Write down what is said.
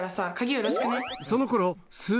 よろしくね。